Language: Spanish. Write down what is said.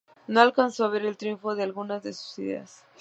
No alcanzó a ver el triunfo de algunas de sus ideas.